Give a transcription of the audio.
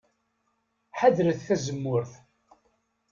Ḥadret tazemmurt.